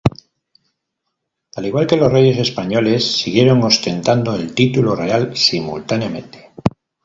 Al igual que los reyes españoles, siguieron ostentando el título real simultáneamente.